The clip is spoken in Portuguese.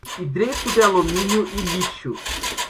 hidreto de alumínio e lítio